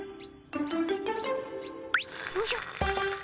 おじゃ！